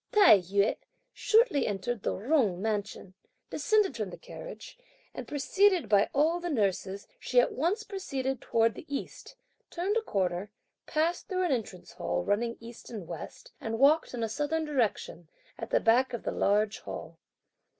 Tai yü shortly entered the Jung Mansion, descended from the carriage, and preceded by all the nurses, she at once proceeded towards the east, turned a corner, passed through an Entrance Hall, running east and west, and walked in a southern direction, at the back of the Large Hall.